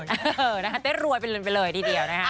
เออนะคะได้รวยเป็นไปเลยทีเดียวนะคะ